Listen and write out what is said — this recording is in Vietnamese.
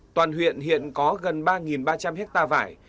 toàn huyện hiện có gần ba ba trăm linh hectare vải